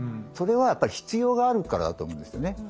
それはやっぱり必要があるからだと思うんですよね。